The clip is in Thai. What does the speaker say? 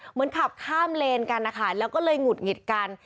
เหมือนขับข้ามเลนกันนะคะแล้วก็เลยหงุดหงิดกัน